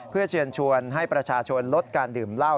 เพื่อเชิญชวนให้ประชาชนลดการดื่มเหล้า